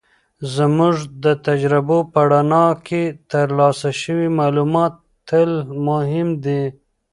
زموږ د تجربو په رڼا کې، ترلاسه شوي معلومات تل مهم دي.